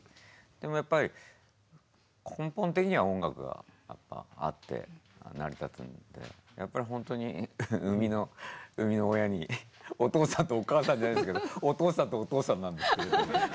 でもやっぱり根本的には音楽がやっぱあって成り立つのでやっぱりほんとに生みの親にお父さんとお母さんじゃないですけどお父さんとお父さんなんですけれども。